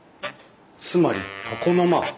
つまり床の間！